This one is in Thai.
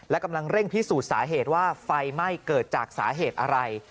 และกำลังเร่งพิสูจน์สาเหตุว่าไฟไหม้เกิดจากสาเหตุอะไร